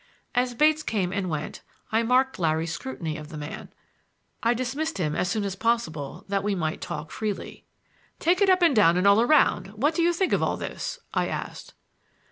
As Bates came and went I marked Larry's scrutiny of the man. I dismissed him as soon as possible that we might talk freely. "Take it up and down and all around, what do you think of all this?" I asked.